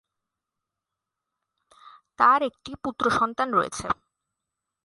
তার একটি পুত্র সন্তান রয়েছে।